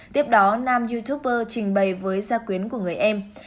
tiếp đó nam youtuber trình bày với gia quyến của người em